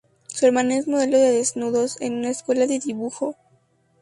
Su hermana es modelo de desnudos en una escuela de dibujo.